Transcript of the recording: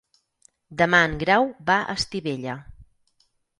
Demà en Grau va a Estivella.